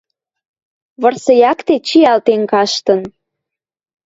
Вырсы якте чиӓлтен каштын.